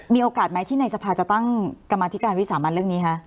มีโอกาสไหมที่ในสภาจะตั้งกรรมธิการวิสามันเรื่องนี้คะ